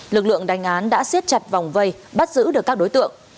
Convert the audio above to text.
lực lượng đánh án đã xiết chặt vòng vây bắt giữ được các đối tượng